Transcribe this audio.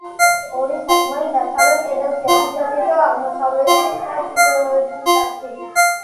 ორი სარკმელი დასავლეთ კედელშია, თითო-თითო აღმოსავლეთის და ჩრდილოეთისაში.